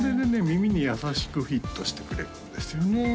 耳に優しくフィットしてくれるんですよね